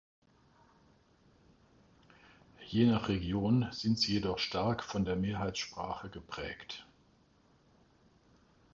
Je nach Region sind sie jedoch stark von der Mehrheitssprache geprägt.